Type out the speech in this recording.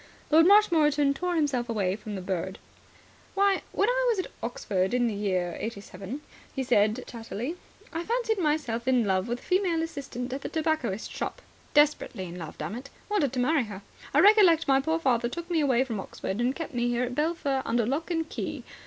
Lord Marshmoreton tore himself away from the bird. "Why, when I was at Oxford in the year '87," he said chattily, "I fancied myself in love with the female assistant at a tobacconist shop. Desperately in love, dammit. Wanted to marry her. I recollect my poor father took me away from Oxford and kept me here at Belpher under lock and key.